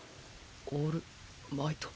オールマイト。